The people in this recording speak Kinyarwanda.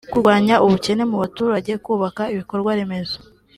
kurwanya ubukene mu baturage kubaka ibikorwa remezo